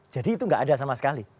jadi itu enggak ada sama sekali